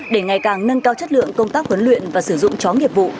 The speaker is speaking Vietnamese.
để ngày càng nâng cao chất lượng công tác huấn luyện và sử dụng chó nghiệp vụ